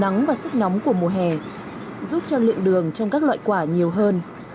nắng và sức nóng của mùa hè giúp cho lượng đường trong các loại quả nhiều hơn